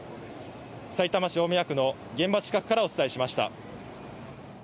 さいたま市大宮区の現場近くからお伝えしました。